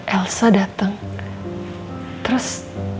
elsa datang terus